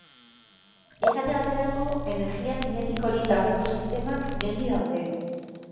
Esate baterako, energia zinetikorik gabeko sistemak geldi daude.